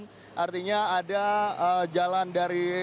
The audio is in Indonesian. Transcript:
dan artinya ada jalan dari